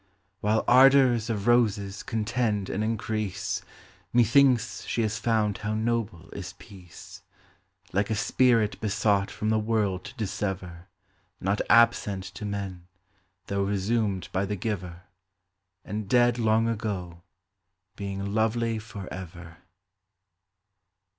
While ardors of roses contend and increase, Methinks she has found how noble is peace, Like a spirit besought from the world to dissever, Not absent to men, tho' resumed by the Giver, And dead long ago, being lovely for ever.